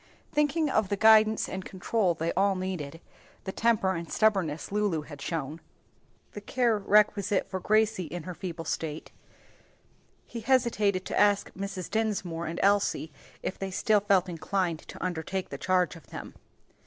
Thinking of the guidance and control they all needed, the temper and stubbornness Lulu had shown, the watchful care requisite for Gracie in her feeble state, he hesitated to ask Mrs. Dinsmore and Elsie if they still felt inclined to undertake the charge of them.